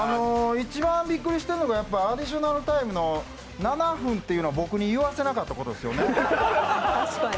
一番びっくりしてるのが、アディショナルタイムの７分というのを僕に言わせなかったことですよね。